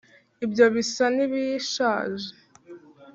ibyo bisa nibishaje.